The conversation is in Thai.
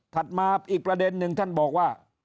มาอีกประเด็นหนึ่งท่านบอกว่า